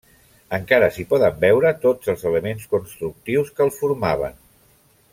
Encara s'hi poden veure tots els elements constructius que el formaven.